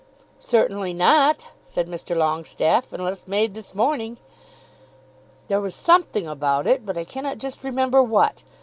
"Certainly not," said Mr. Longestaffe, "unless made this morning." "There was something about it, but I cannot just remember what.